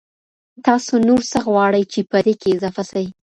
تاسو نور څه غواړئ چي پدې کي اضافه سي؟